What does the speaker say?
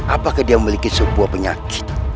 apakah dia memiliki sebuah penyakit